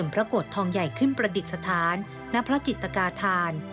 โดดทองใหญ่ขึ้นประดิษฐานณพระจิตกาธาน